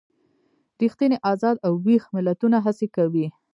ریښتیني ازاد او ویښ ملتونه هڅې کوي.